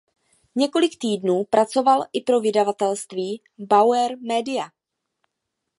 Několik týdnů pracoval i pro vydavatelství Bauer Media.